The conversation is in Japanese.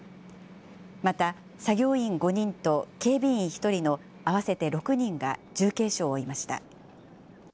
また、作業員５人と警備員１人の合わせて６人が重軽傷を負いました。